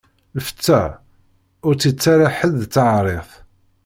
Lfeṭṭa ur tt-ittara ḥedd d taɛrit.